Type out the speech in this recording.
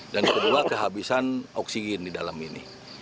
kedua kehabisan oksigen di dalam ini